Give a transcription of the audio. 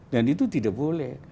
dan itu tidak boleh